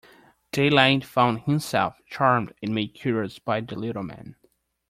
Daylight found himself charmed and made curious by the little man.